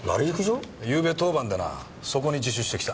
昨夜当番でなそこに自首してきた。